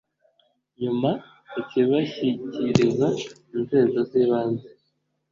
nyuma ikabishyikiriza inzego zibanze